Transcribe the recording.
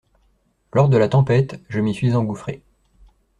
Lors de la tempête, je m’y suis engouffré.